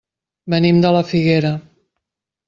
Venim de la Figuera.